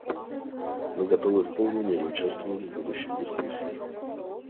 Мы готовы в полной мере участвовать в будущих дискуссиях.